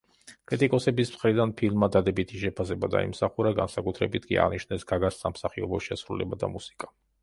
კრიტიკოსების მხრიდან ფილმა დადებითი შეფასება დაიმსახურა, განსაკუთრებით კი აღნიშნეს გაგას სამსახიობო შესრულება და მუსიკა.